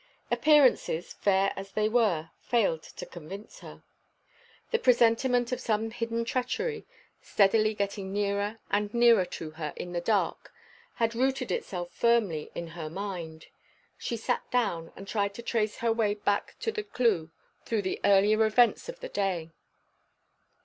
Appearances, fair as they were, failed to convince her. The presentiment of some hidden treachery, steadily getting nearer and nearer to her in the dark, had rooted itself firmly in her mind. She sat down, and tried to trace her way back to the clew, through the earlier events of the day.